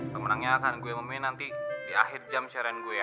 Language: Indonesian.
pemenangnya akan gue main nanti di akhir jam sharean gue ya